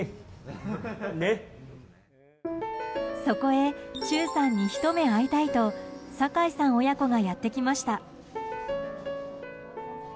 そこへ、忠さんにひと目会いたいと坂井さん親子がやってきました。